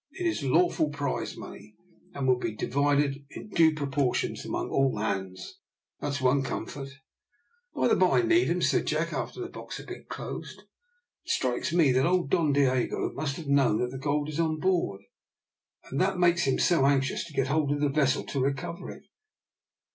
It is lawful prize money, and will be divided in due proportions among all hands, that's one comfort." "By the by, Needham," said Jack, after the box had been closed, "it strikes me that old Don Diogo must have known that the gold is on board, and that makes him so anxious to get hold of the vessel to recover it.